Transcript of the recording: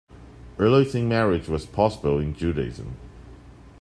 Early-teen marriage was possible in Judaism.